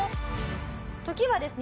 時はですね